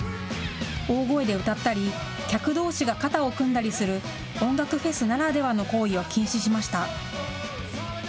大声で歌ったり、客どうしが肩を組んだりする、音楽フェスならではの行為を禁止しました。